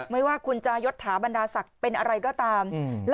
ไม่ว่าคุณจะยดถาบรรดาศักดิ์เป็นอะไรก็ตาม